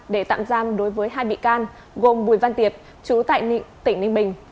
để tạm giam đối với hai bị can gồm bùi văn tiệp chú tại tỉnh ninh bình